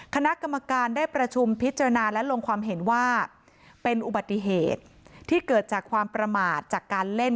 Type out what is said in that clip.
คณะกรรมการได้ประชุมพิจารณาและลงความเห็นว่าเป็นอุบัติเหตุที่เกิดจากความประมาทจากการเล่น